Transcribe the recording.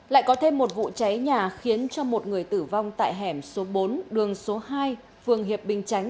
lại có thêm một vụ cháy nhà khiến cho một người tử vong tại hẻm số bốn đường số hai phường hiệp bình chánh